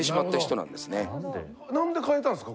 なんで変えたんですか？